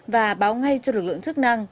và báo ngay cho lực lượng chức năng